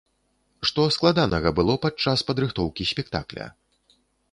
Што складанага было падчас падрыхтоўкі спектакля?